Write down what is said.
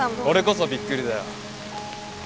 俺こそびっくりだよ。